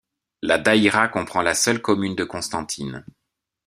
La daïra comprend la seule commune de Constantine.